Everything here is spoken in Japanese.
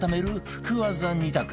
福ワザ２択